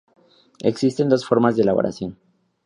Existen dos formas de elaboración.